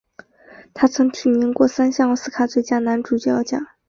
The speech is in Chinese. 他曾提名过三项奥斯卡最佳男主角奖。